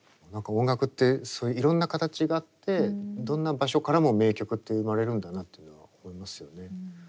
何か音楽っていろんな形があってどんな場所からも名曲って生まれるんだなっていうのは思いますよね。